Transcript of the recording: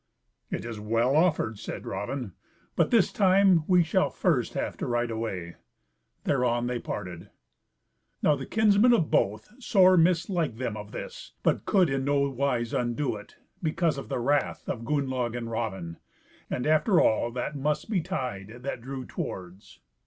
"It is well offered," said Raven, "but this time we shall first have to ride away." Thereon they parted. Now the kinsmen of both sore misliked them of this, but could in no wise undo it, because of the wrath of Gunnlaug and Raven; and, after all, that must betide that drew towards.